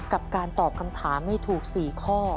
กับการตอบคำถามให้ถูก๔ข้อ